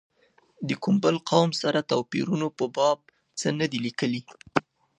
د کوم بل قوم سره توپیرونو په باب څه نه دي لیکلي.